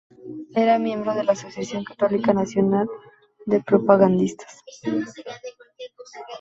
Era miembro de la Asociación Católica Nacional de Propagandistas.